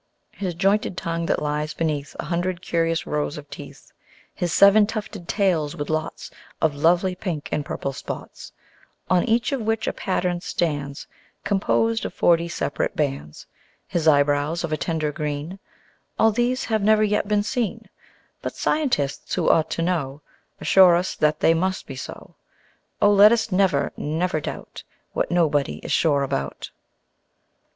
His jointed tongue that lies beneath A hundred curious rows of teeth; His seven tufted tails with lots Of lovely pink and purple spots, On each of which a pattern stands, Composed of forty separate bands; His eyebrows of a tender green; All these have never yet been seen But Scientists, who ought to know, Assure us that they must be so. ... Oh! let us never, never doubt What nobody is sure about!